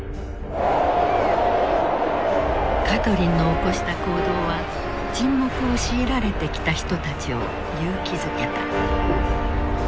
カトリンの起こした行動は沈黙を強いられてきた人たちを勇気づけた。